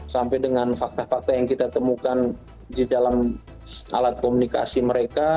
sampai dengan fakta fakta yang kita temukan di dalam alat komunikasi mereka